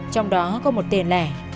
trong đó có một tên lẻ